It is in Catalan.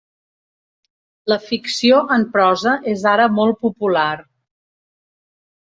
La ficció en prosa és ara molt popular.